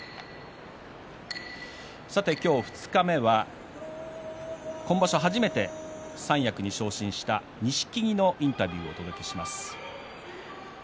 今日、二日目は今場所初めて三役に昇進した錦木のインタビューをお届けします。